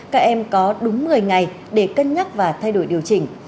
các em có đúng một mươi ngày để cân nhắc và thay đổi điều chỉnh